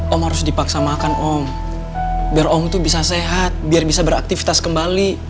om harus dipaksa makan om biar om tuh bisa sehat biar bisa beraktivitas kembali